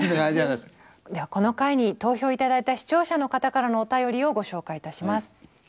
ではこの回に投票頂いた視聴者の方からのお便りをご紹介いたします。